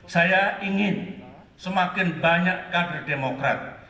saya ingin semakin banyak kader demokrat